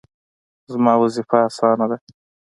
زما وظیفه اسانه ده